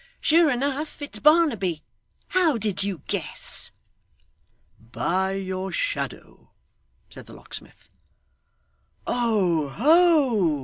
'Sure enough it's Barnaby how did you guess?' 'By your shadow,' said the locksmith. 'Oho!